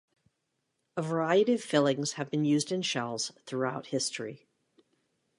A variety of fillings have been used in shells throughout history.